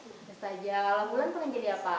ustazah alam bulan pengen jadi apa